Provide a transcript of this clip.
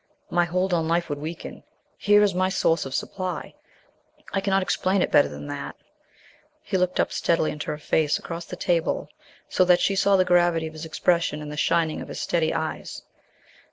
My hold on life would weaken; here is my source of supply. I cannot explain it better than that." He looked up steadily into her face across the table so that she saw the gravity of his expression and the shining of his steady eyes.